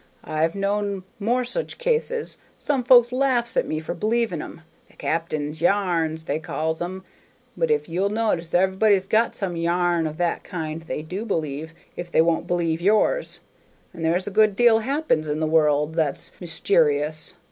I've known more such cases; some folks laughs at me for believing 'em, 'the cap'n's yarns,' they calls 'em, but if you'll notice, everybody's got some yarn of that kind they do believe, if they won't believe yours. And there's a good deal happens in the world that's myster'ous.